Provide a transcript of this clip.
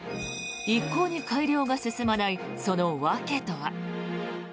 一向に改良が進まないその訳とは。